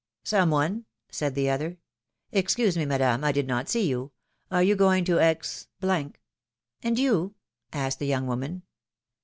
Some one ! said the other. Excuse me, Madame, I did not see you. Are you going to X ? ^^And you?^^ asked the young woman.